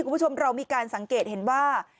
คุณผู้ชมเรามีการสังเกตเห็นว่า